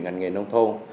ngành nghề nông thôn